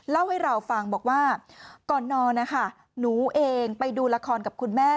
เล่าให้เราฟังบอกว่าก่อนนอนนะคะหนูเองไปดูละครกับคุณแม่